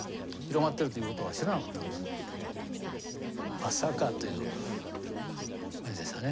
まさかという感じでしたね。